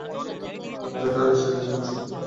Plato আর এরিস্টটলের জন্য সবসময় থাকতে হবে।